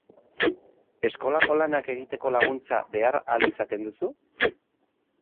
Eskolako lanak egiteko laguntza behar al izaten duzu?